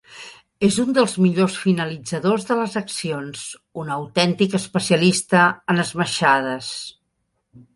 És un dels millors finalitzadors de les accions, un autèntic especialista en esmaixades.